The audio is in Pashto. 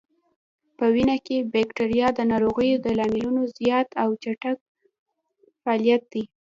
په وینه کې بکتریا د ناروغیو د لاملونو زیات او چټک فعالیت دی.